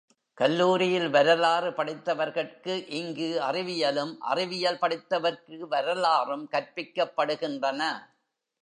கல்லூரியில் வரலாறு படித்தவர்கட்கு இங்கு அறிவியலும், அறிவியல் படித்தவர்கட்கு வரலாறும் கற்பிக்கப் படுகின்றன.